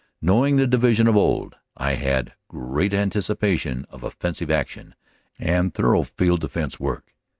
Knowing the Division of old, I had great anticipations of offensive action and thorough field defense work.